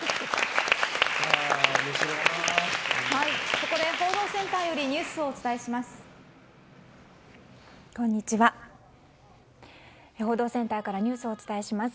ここで報道センターよりニュースをお伝えします。